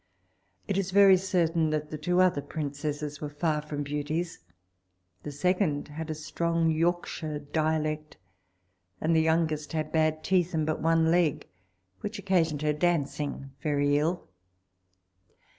It is very certain that the two other princesses were far from beauties; the second had a strong Yorkshire dialect, and the youngest had bad teeth and but one leg, which occasioned her dancing very ill.